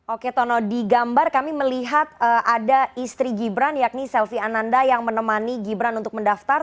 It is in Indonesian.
oke tono di gambar kami melihat ada istri gibran yakni selvi ananda yang menemani gibran untuk mendaftar